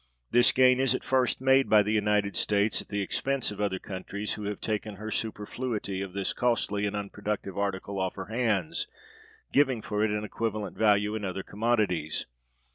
This gain is at first made by the United States at the expense of other countries, who have taken her superfluity of this costly and unproductive article off her hands, giving for it an equivalent value in other commodities.